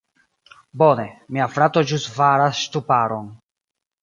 Bone, mia frato ĵus faras ŝtuparon.